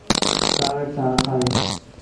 کاوِڑ ساں آکھا ہے